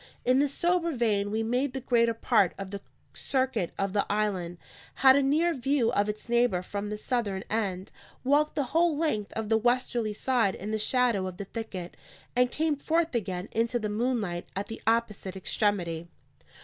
In this sober vein we made the greater part of the circuit of the island; had a near view of its neighbour from the southern end; walked the whole length of the westerly side in the shadow of the thicket; and came forth again into the moonlight at the opposite extremity.